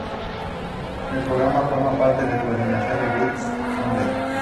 El programa forma parte de la alineación de "Good Sunday".